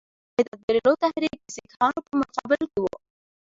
د سید احمدبرېلوي تحریک د سیکهانو په مقابل کې وو.